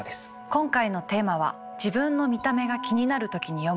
今回のテーマは「自分の見た目が気になる時に読む本」です。